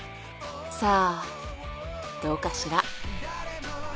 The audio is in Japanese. さあどうかしら。